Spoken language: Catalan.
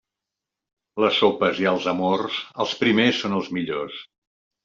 Les sopes i els amors, els primers són els millors.